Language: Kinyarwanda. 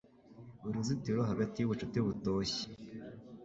Uruzitiro hagati yubucuti butoshye.